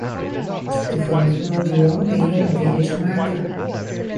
The First World War made him a village martyr.